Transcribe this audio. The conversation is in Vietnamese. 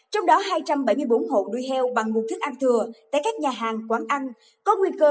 trong đó hai trăm bảy mươi bốn hộ nuôi heo bằng nguồn thức ăn thừa tại các nhà hàng quán ăn có nguy cơ